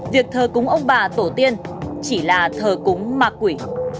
việc thờ cúng ông bà tổ tiên chỉ là thờ cúng ma quỷ